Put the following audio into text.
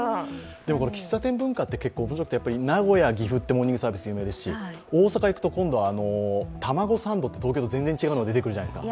この喫茶店文化って名古屋、岐阜ってモーニングサービス有名ですし大阪へ行くと、今度は卵サンドって東京と全然違うのが出てくるじゃないですか。